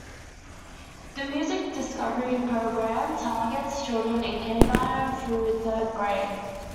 The Music Discovery program targets children in kindergarten through third grade.